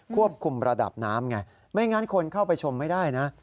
ควบคุมระดับน้ำไงไม่งั้นคนเข้าไปชมไม่ได้นะ